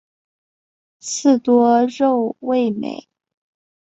刺多肉味美。